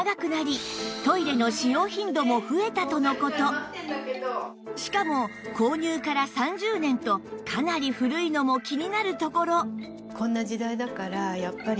以前よりもしかも購入から３０年とかなり古いのも気になるところ